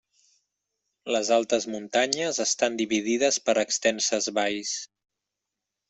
Les altes muntanyes estan dividides per extenses valls.